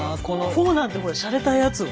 フォーなんてほらしゃれたやつを。